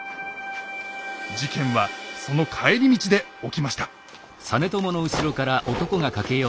事件はその帰り道で起きました。